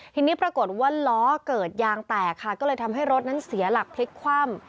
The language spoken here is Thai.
ทีนี้ปรากฏว่าล้อเกิดยางแตกค่ะก็เลยทำให้รถนั้นเสียหลักพลิกคว่ำ